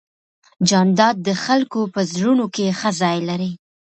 جانداد د خلکو په زړونو کې ښه ځای لري.